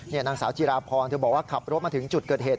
นางสาวจิราพรเธอบอกว่าขับรถมาถึงจุดเกิดเหตุ